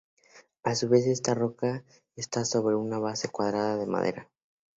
A su vez, esta roca esta sobre una base cuadrada de madera.